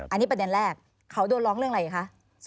อันนี้ประเด็นแรกเขาโดนร้องเรื่องอะไรคะ